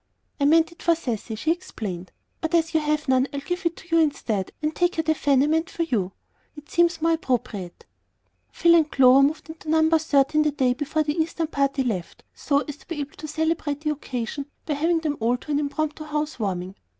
"I meant it for Cecy," she explained. "But as you have none I'll give it to you instead, and take her the fan I meant for you. It seems more appropriate." Phil and Clover moved into No. 13 the day before the Eastern party left, so as to be able to celebrate the occasion by having them all to an impromptu house warming.